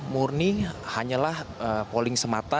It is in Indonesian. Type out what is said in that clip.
murni hanyalah polling semata